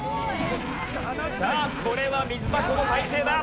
さあこれはミズダコの体勢だ。